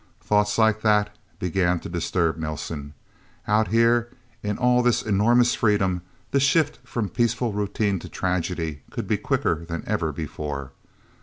Thoughts like that began to disturb Nelsen. Out here, in all this enormous freedom, the shift from peaceful routine to tragedy could be quicker than ever before.